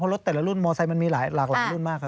รถแต่ละรุ่นมอไซค์มันมีหลากหลายรุ่นมากครับ